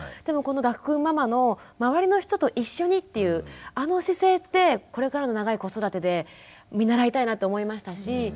でもこの岳くんママの周りの人と一緒にっていうあの姿勢ってこれからの長い子育てで見習いたいなって思いましたし。